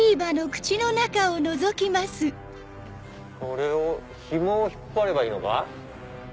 これをひもを引っ張ればいいのか。